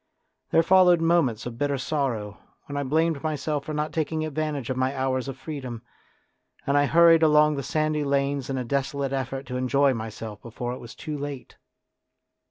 There followed moments of bitter sorrow, when I blamed myself for not taking advantage of my hours of freedom, A DRAMA OF YOUTH 43 and I hurried along the sandy lanes in a desolate effort to enjoy myself before it was too late.